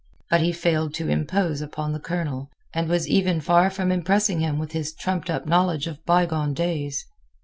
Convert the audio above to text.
But he failed to impose upon the Colonel, and was even far from impressing him with this trumped up knowledge of bygone days.